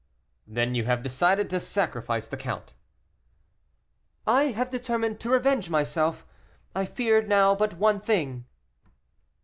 "Then you have decided to sacrifice the count?" "I have determined to revenge myself; I fear now but one thing."